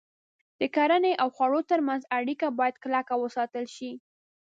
د کرنې او خوړو تر منځ اړیکه باید کلکه وساتل شي.